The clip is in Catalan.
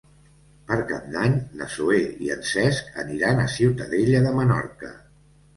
Per Cap d'Any na Zoè i en Cesc aniran a Ciutadella de Menorca.